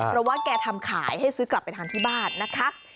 เพราะว่าแกทำขายให้ซื้อกลับไปทานที่บ้านนะคะ